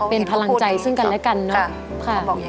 เป็นพลังใจซึ่งกันและกันเนอะค่ะ